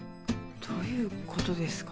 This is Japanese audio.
どういうことですか？